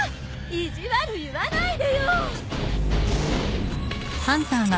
意地悪言わないでよ！